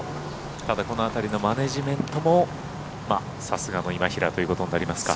ただ、この辺りのマネジメントもさすがの今平ということになりますか。